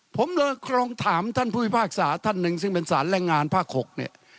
ผมลองถามท่านภูมิภาคศาลท่านหนึ่งซึ่งเป็นศาลแรงงานภาคหกเนี่ย